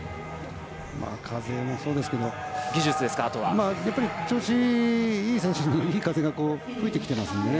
風もそうですけどやっぱり調子いい選手にいい風が吹いてきていますね。